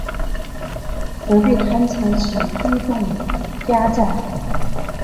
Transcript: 设备探测及驱动加载